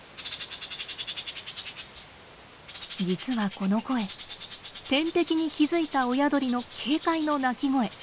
実はこの声天敵に気付いた親鳥の警戒の鳴き声。